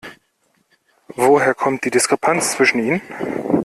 Woher kommt die Diskrepanz zwischen ihnen?